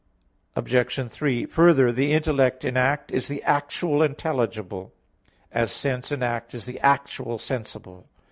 Obj. 3: Further, the intellect in act is the actual intelligible; as sense in act is the actual sensible.